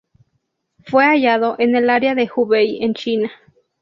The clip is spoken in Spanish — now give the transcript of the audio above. Fue hallado en el área de Hubei en China.